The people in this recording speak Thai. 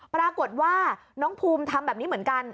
ปรากฏว่าน้องภูมิทำแบบนี้เหมือนกัน